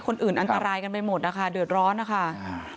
คนอื่นอันตรายกันไปหมดนะคะเดือดร้อนนะคะอ่า